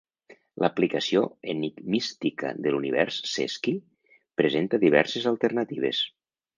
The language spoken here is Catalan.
L'aplicació enigmística de l'univers "sesqui" presenta diverses alternatives.